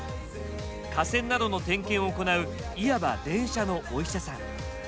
架線などの点検を行ういわば電車のお医者さん。